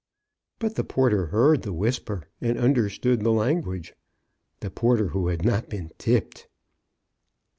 But the porter heard the whisper, and under stood the language — the porter who had not been "tipped."